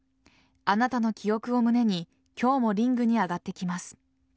あなたの記憶を胸に今日もリングに上がってきます。